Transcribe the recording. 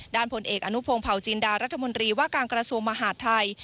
ผลเอกอนุพงศ์เผาจินดารัฐมนตรีว่าการกระทรวงมหาดไทย